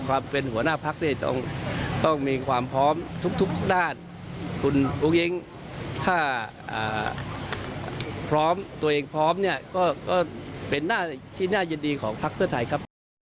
หัวหน้าพักเนี่ยต้องมีความพร้อมทุกด้านคุณอุ้งอิ๊งถ้าพร้อมตัวเองพร้อมเนี่ยก็เป็นหน้าที่น่ายินดีของพักเพื่อไทยครับ